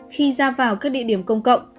khi ra vào các địa điểm công cộng